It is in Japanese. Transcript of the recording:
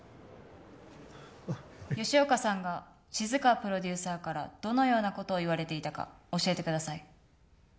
吉岡さんが静川プロデューサーからどのようなことを言われていたか教えてください。